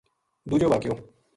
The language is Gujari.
دُوجو واقعو